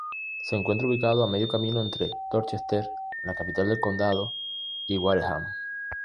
Se encuentra ubicado a medio camino entre Dorchester, la capital del condado, y Wareham.